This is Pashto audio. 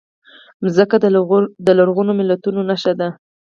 مځکه د لرغونو ملتونو نښه ده.